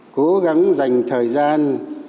cố gắng dành thời gian